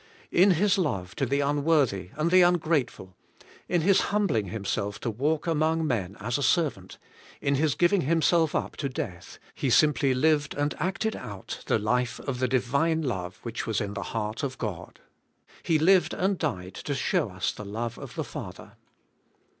In His love to the unworthy and the ungrateful, in His humbling Him self to walk among men as a servant, in His giving Himself up to death. He simply lived and acted out the life of the Divine love which was in the heart of God. He lived and died to show us the love of the Father.